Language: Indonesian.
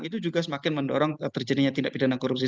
itu juga semakin mendorong terjadinya tindak pidana korupsi